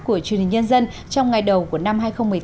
của truyền hình nhân dân trong ngày đầu của năm hai nghìn một mươi tám